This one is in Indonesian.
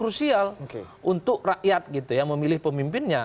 suatu hal yang krusial untuk rakyat yang memilih pemimpinnya